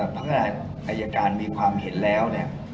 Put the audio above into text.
พัฒนาอัยการมีความเห็นแล้ว